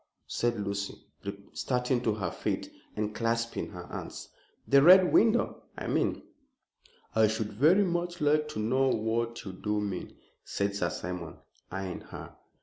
said Lucy, starting to her feet and clasping her hands, "the Red Window, I mean." "I should very much like to know what you do mean," said Sir Simon, eyeing her.